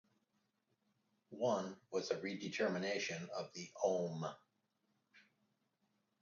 One was a redetermination of the ohm.